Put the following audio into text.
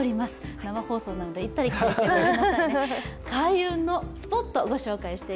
生放送なので行ったり来たりしております。